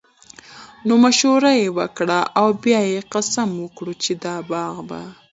نو مشوره ئي وکړه، او بيا ئي قسم وکړو چې دا باغ به